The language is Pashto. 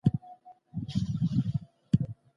څېړنه باید په ټاکلو معیارونو برابره وي.